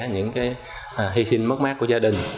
những cái hy sinh mất mát của gia đình